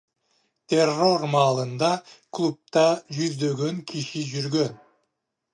Террор маалында клубда жүздөгөн киши жүргөн.